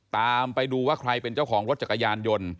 ตามไปดูว่าใครเป็นเจ้าของรถจักรยานยนต์